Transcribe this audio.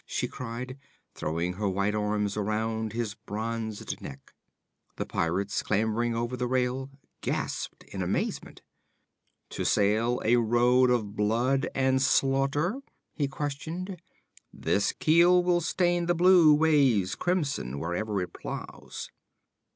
she cried, throwing her white arms about his bronzed neck. The pirates, clambering over the rail, gasped in amazement. 'To sail a road of blood and slaughter?' he questioned. 'This keel will stain the blue waves crimson wherever it plows.'